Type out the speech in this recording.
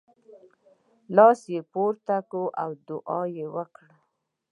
لاسونه یې پورته کړه او دعا یې وکړه .